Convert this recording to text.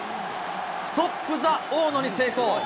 ストップ・ザ・大野に成功。